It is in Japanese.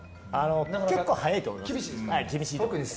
結構、速いと思います。